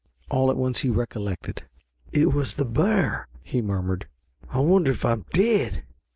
All at once he recollected. "It was the bear," he murmured. "I wonder if I am dead!"